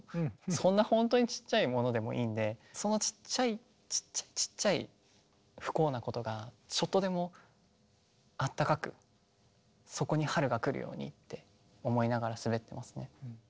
そんな本当にちっちゃいものでもいいんでそのちっちゃいちっちゃいちっちゃい不幸なことがちょっとでもあったかくそこに春が来るようにって思いながら滑ってますね。